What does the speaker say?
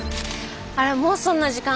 あらもうそんな時間？